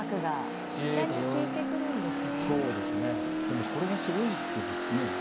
でもこれはすごい一手ですね。